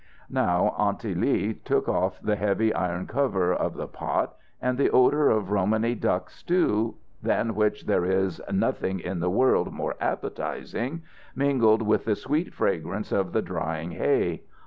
Now Aunty Lee took off the heavy iron cover of the pot and the odour of Romany duck stew, than which there is nothing in the world more appetizing, mingled with the sweet fragrance of the drying hay.